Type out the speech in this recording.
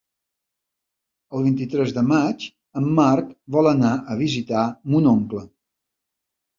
El vint-i-tres de maig en Marc vol anar a visitar mon oncle.